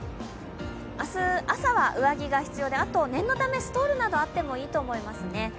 明日、朝は上着が必要で、念のためストールなどあってもいいと思いますね。